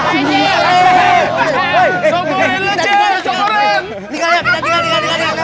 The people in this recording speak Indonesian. tinggal ya tinggal tinggal